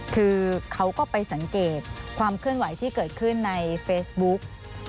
คือเขาก็ไปสังเกตความเคลื่อนไหวที่เกิดขึ้นในเฟซบุ๊ก